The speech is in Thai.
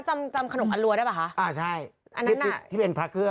จำจำขนมสันลัวได้เปล่าฮะอ่าใช่อันนั้นที่เป็นพละเครือ